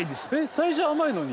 最初甘いのに？